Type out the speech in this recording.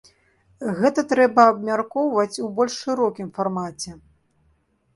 Гэта трэба абмяркоўваць ў больш шырокім фармаце.